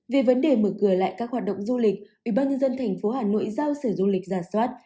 về vấn đề mở cửa lại các hoạt động du lịch ubnd tp hà nội giao sở du lịch giả soát